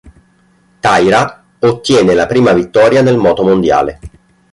Taira ottiene la prima vittoria nel motomondiale.